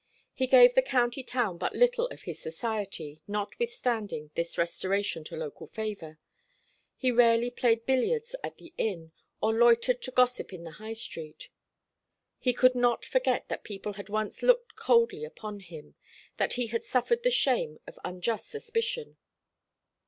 He gave the county town but little of his society, notwithstanding this restoration to local favour. He rarely played billiards at the inn, or loitered to gossip in the High Street. He could not forget that people had once looked coldly upon him, that he had suffered the shame of unjust suspicion.